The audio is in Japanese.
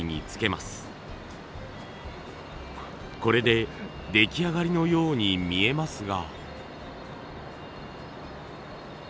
これで出来上がりのように見えますが。